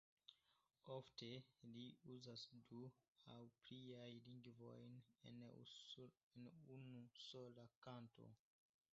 Ofte li uzas du aŭ pliajn lingvojn en unusola kanto.